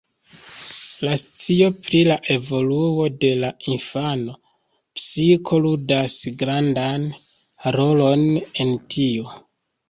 La scio pri la evoluo de la infana psiko ludas grandan rolon en tio.